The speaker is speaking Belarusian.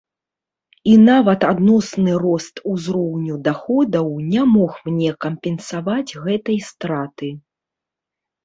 І нават адносны рост узроўню даходаў не мог мне кампенсаваць гэтай страты.